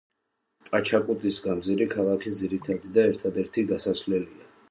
პაჩაკუტის გამზირი ქალაქის ძირითადი და ერთადერთი გასასვლელია.